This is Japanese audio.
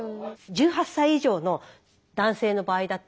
１８歳以上の男性の場合だと。